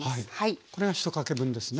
これが１かけ分ですね。